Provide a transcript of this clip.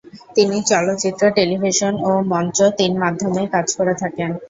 তিনি চলচ্চিত্র, টেলিভিশন ও মঞ্চ তিন মাধ্যমেই কাজ করে থাকেন।